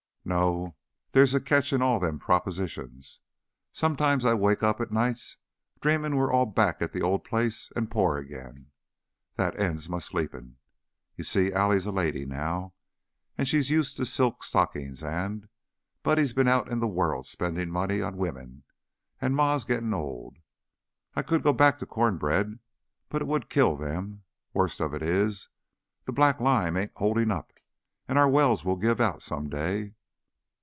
No; there's a catch in all them propositions. Sometimes I wake up nights dreamin' we're all back at the old place an' pore again. That ends my sleepin'. You see, Allie's a lady now, an' she's used to silk stockin's, an' Buddy's been out in the world spendin' money on women, an' Ma's gettin' old. I could go back to corn bread, but it would kill them. Worst of it is, the black lime ain't holdin' up, an' our wells will give out some day."